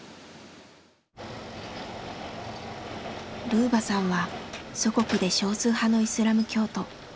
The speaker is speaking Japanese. ルーバさんは祖国で少数派のイスラム教徒。